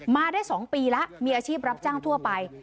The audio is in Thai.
มาได้๒ปีแล้วมีอาชีพรับจ้างทั่วไป